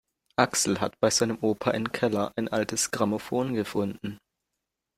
Axel hat bei seinem Opa im Keller ein altes Grammophon gefunden.